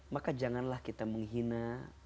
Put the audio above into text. maka janganlah kita menghina